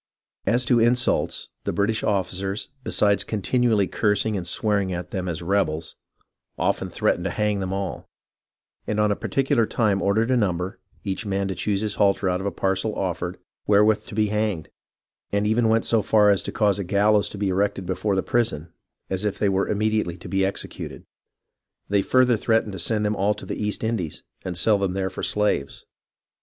" As to insults, the British officers, besides continually cursing and swearing at them as rebels, often threatened 152 HISTORY OF THE AMERICAN REVOLUTION to hang them all ; and on a particular time ordered a number, each man to choose his halter out of a parcel offered, wherewith to be hanged ; and even went so far as to cause a gallows to be erected before the prison, as if they were immediately to be executed. They further threatened to send them all into the East Indies, and sell them there for slaves.